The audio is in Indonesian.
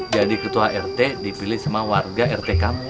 jadi ketua rt dipilih sama warga rt kamu